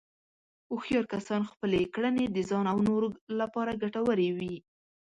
هوښیار کسان خپلې کړنې د ځان او نورو لپاره ګټورې وي.